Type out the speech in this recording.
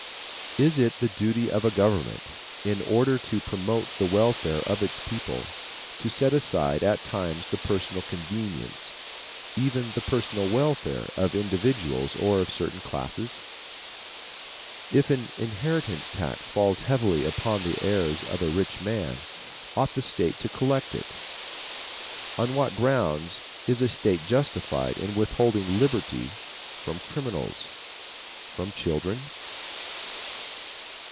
Is it the duty of a government, in order to promote the welfare of its people, to set aside at times the personal convenience, even the personal welfare of individuals or of certain classes? If an inheritance tax falls heavily upon the heirs of a rich man, ought the state to collect it? On what grounds is a state justified in withholding liberty from criminals? From children?